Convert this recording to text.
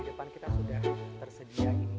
depan kita sudah tersedia ini